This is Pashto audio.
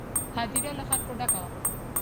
هدیره له خلکو ډکه وه.